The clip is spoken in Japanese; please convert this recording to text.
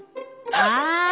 ああ。